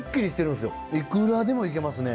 いくらでもいけますね。